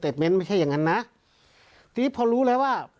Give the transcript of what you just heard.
คุณเคยเปิดห้างนี้หรือเปล่า